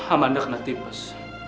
amanda kena tipis